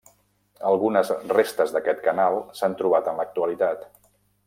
Algunes restes d'aquest canal s'han trobat en l'actualitat.